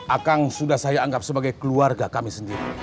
akang sudah saya anggap sebagai keluarga kami sendiri